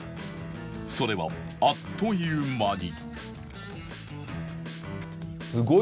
それはあっという間に